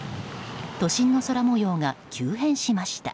都心の空模様が急変しました。